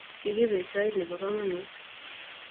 Kigibeet sait nebo kamanuut